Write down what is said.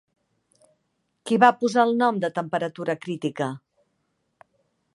Qui va posar el nom de temperatura crítica?